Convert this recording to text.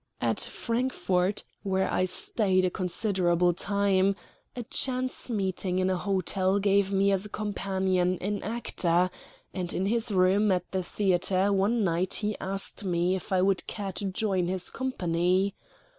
At Frankfort, where I stayed a considerable time, a chance meeting in a hotel gave me as a companion an actor, and in his room at the theatre one night he asked me if I would care to join his company.